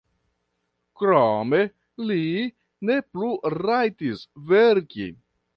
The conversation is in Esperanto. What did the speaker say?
Krome li ne plu rajtis verki.